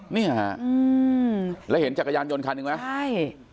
เนี่ยฮะแล้วเห็นจักรยานยนต์คันหนึ่งไหมใช่